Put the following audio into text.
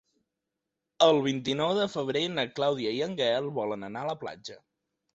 El vint-i-nou de febrer na Clàudia i en Gaël volen anar a la platja.